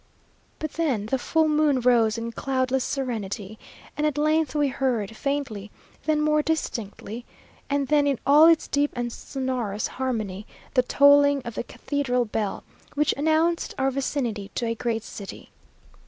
But then the full moon rose in cloudless serenity, and at length we heard, faintly, then more distinctly, and then in all its deep and sonorous harmony, the tolling of the cathedral bell, which announced our vicinity to a great city.